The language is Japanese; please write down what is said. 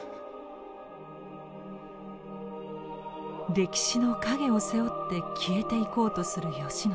歴史の影を背負って消えていこうとする慶喜。